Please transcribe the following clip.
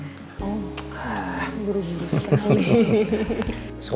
oh dulu dulu sekali